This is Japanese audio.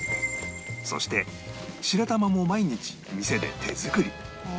そして白玉も毎日店で手作り